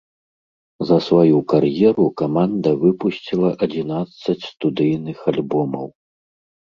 За сваю кар'еру каманда выпусціла адзінаццаць студыйных альбомаў.